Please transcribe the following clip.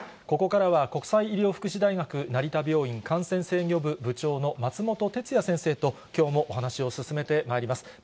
ここからは、国際医療福祉大学成田病院感染制御部の部長の松本哲哉先生ときょうもお話を進めてまいります。